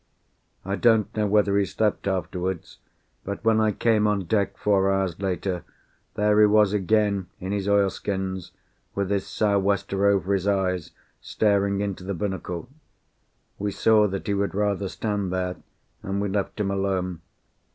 I don't know whether he slept afterwards, but when I came on deck four hours later, there he was again, in his oilskins, with his sou'wester over his eyes, staring into the binnacle. We saw that he would rather stand there, and we left him alone.